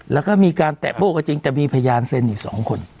แล้วก็มีการแตะโบ้ก็จริงแต่มีพยานเซ็นอีก๒คน